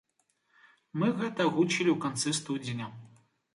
Мы гэта агучылі ў канцы студзеня.